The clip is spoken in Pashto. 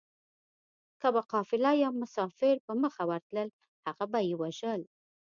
که به قافله يا مسافر په مخه ورتلل هغه به يې وژل